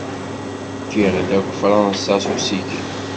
Kkiɣ-d akk Fransa s usikel.